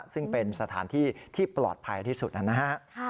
ซึ่งเป็นสถานที่ที่ปลอดภัยที่สุดนะฮะ